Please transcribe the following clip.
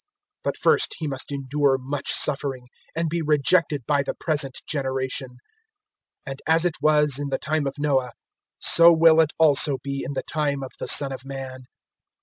017:025 But first He must endure much suffering, and be rejected by the present generation. 017:026 "And as it was in the time of Noah, so will it also be in the time of the Son of Man.